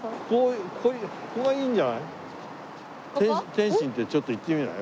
「点心」ってちょっと行ってみない？